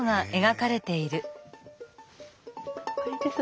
これです。